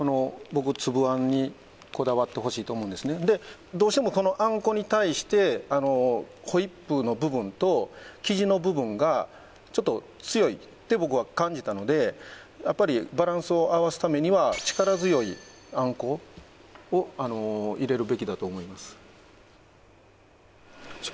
僕つぶあんにこだわってほしいと思うんですでどうしてもそのあんこに対してホイップの部分と生地の部分がちょっと強いって僕は感じたのでやっぱりバランスを合わすためには力強いあんこを入れるべきだと思います